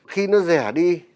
khi nó rẻ đi